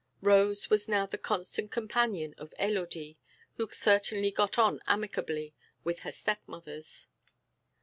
Rose was now the constant companion of Élodie who certainly got on amicably with her step mothers.